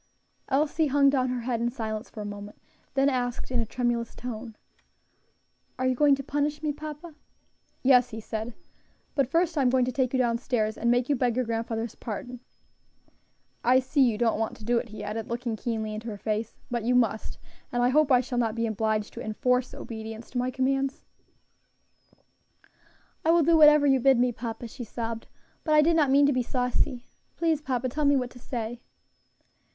Elsie hung down her head in silence for a moment, then asked in a tremulous tone, "Are you going to punish me, papa?" "Yes," he said, "but first I am going to take you down stairs and make you beg your grandfather's pardon. I see you don't want to do it," he added, looking keenly into her face, "but you must, and I hope I shall not be obliged to enforce obedience to my commands." "I will do whatever you bid me, papa," she sobbed, "but I did not mean to be saucy. Please, papa, tell me what to say."